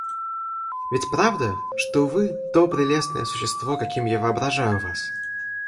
Ведь правда, что вы то прелестное существо, каким я воображаю вас?